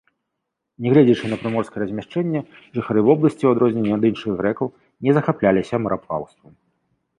Нягледзячы на прыморскае размяшчэнне жыхары вобласці, у адрозненне ад іншых грэкаў, не захапляліся мараплаўствам.